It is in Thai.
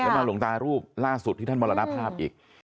แล้วมาหลวงตารูปล่าสุดที่ท่านมรณภาพอีก